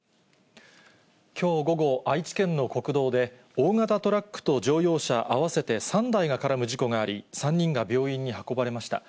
きょう午後、愛知県の国道で、大型トラックと乗用車合わせて３台が絡む事故があり、３人が病院に運ばれました。